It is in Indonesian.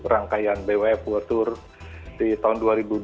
rangkaian bwf world tour di tahun dua ribu dua puluh